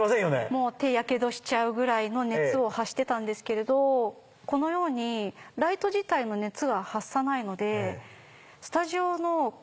もう手やけどしちゃうぐらいの熱を発してたんですけれどこのようにライト自体の熱が発さないので。